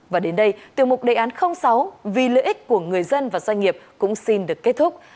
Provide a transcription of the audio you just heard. và đến đây tiêu mục đề án sáu vì lợi ích của người dân và doanh nghiệp cũng xin được kết thúc